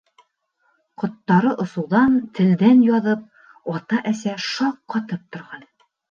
Ҡоттары осоуҙан телдән яҙып, ата-әсә шаҡ ҡатып торған.